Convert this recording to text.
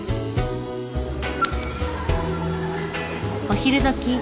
お昼どき。